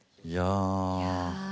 いや。